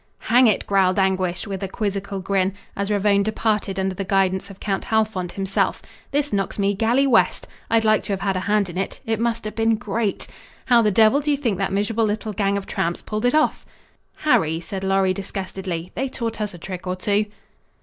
"Hang it," growled Anguish, with a quizzical grin, as Ravone departed under the guidance of Count Halfont himself, "this knocks me galley west. I'd like to have had a hand in it. It must have been great. How the devil do you think that miserable little gang of tramps pulled it off?" "Harry," said Lorry disgustedly, "they taught us a trick or two."